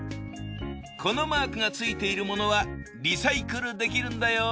このマークがついているものはリサイクルできるんだよ。